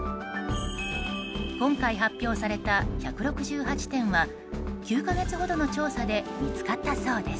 今回、発表された１６８点は９か月ほどの調査で見つかったそうです。